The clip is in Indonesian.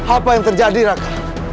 apa yang terjadi raka